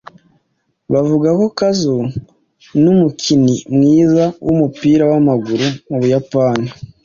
Bavuga ko Kazu numukini mwiza wumupira wamaguru mu Buyapani.